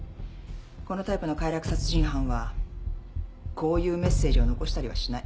このタイプの快楽殺人犯はこういうメッセージを残したりはしない。